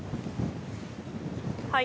はい。